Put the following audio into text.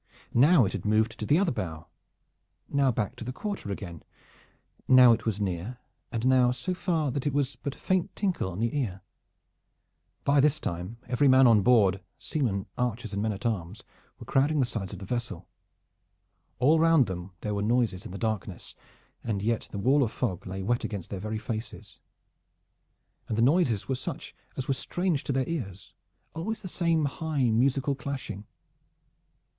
Now it had moved to the other bow; now back to the quarter again; now it was near; and now so far that it was but a faint tinkle on the ear. By this time every man on board, seamen, archers and men at arms, were crowding the sides of the vessel. All round them there were noises in the darkness, and yet the wall of fog lay wet against their very faces. And the noises were such as were strange to their ears, always the same high musical clashing.